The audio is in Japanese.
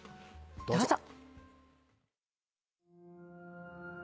どうぞ。